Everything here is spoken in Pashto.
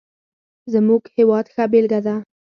زموږ هېواد ښه بېلګه ده.